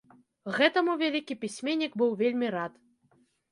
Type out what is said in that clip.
Гэтаму вялікі пісьменнік быў вельмі рад.